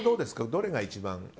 どれが一番。